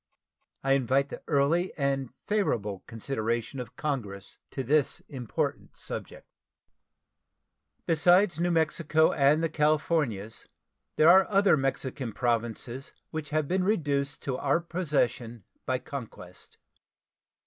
I invite the early and favorable consideration of Congress to this important subject. Besides New Mexico and the Californias, there are other Mexican Provinces which have been reduced to our possession by conquest.